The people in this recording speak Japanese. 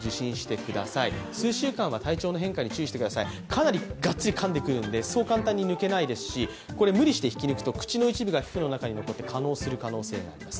かなりがっつりかんでくるんでそう簡単に抜けないですし、無理して引き抜くと口の一部が皮膚の中に残って、化のうする可能性があります。